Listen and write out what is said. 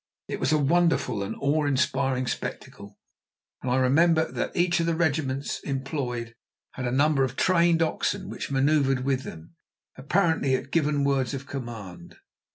It was a wonderful and awe inspiring spectacle, and I remember that each of the regiments employed had a number of trained oxen which manoeuvred with them, apparently at given words of command.